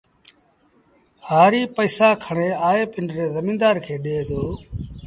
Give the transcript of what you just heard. هآريٚ پئيٚسآ کڻي آئي پنڊري زميدآر ڏي دو